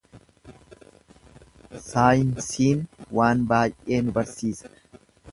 Saayinsiin waan baay'ee nu barsiisa.